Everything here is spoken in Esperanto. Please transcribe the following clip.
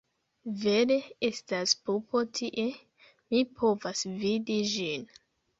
Vere estas pupo tie, mi povas vidi ĝin.